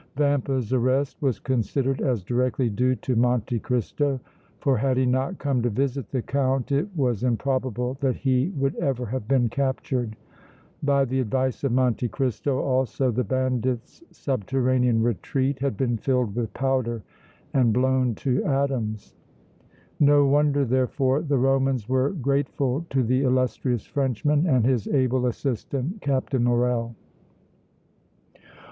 Vampa's arrest was considered as directly due to Monte Cristo, for had he not come to visit the Count it was improbable that he would ever have been captured. By the advice of Monte Cristo also the bandits' subterranean retreat had been filled with powder and blown to atoms. No wonder, therefore, the Romans were grateful to the illustrious Frenchman and his able assistant Captain Morrel.